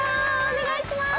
お願いします。